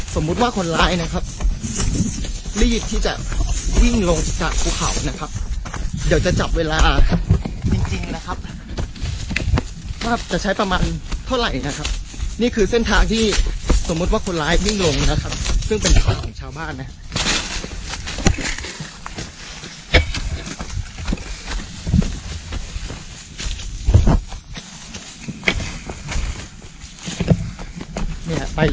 สมมุติว่าคนร้ายนะครับรีบที่จะวิ่งลงจากภูเขานะครับเดี๋ยวจะจับเวลาจริงนะครับว่าจะใช้ประมาณเท่าไหร่นะครับนี่คือเส้นทางที่สมมุติว่าคนร้ายวิ่งลงนะครับซึ่งเป็นของชาวบ้านนะครับ